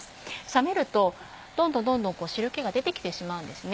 冷めるとどんどん汁気が出てきてしまうんですね。